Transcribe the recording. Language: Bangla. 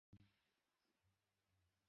আর সেই ব্যাপারে তুই পুরোপুরি নিশ্চিত?